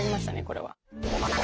これは。